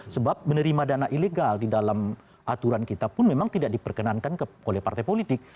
sebab menerima dana ilegal di dalam aturan kita pun memang tidak diperkenankan oleh partai politik